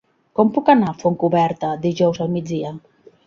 Com puc anar a Fontcoberta dijous al migdia?